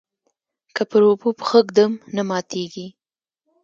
که پر اوبو پښه ږدم نه ماتیږي.